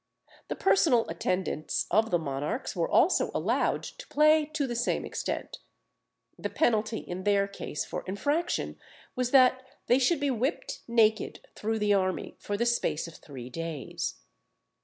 The personal attendants of the monarchs were also allowed to play to the same extent. The penalty in their case for infraction was that they should be whipped naked through the army for the space of three days.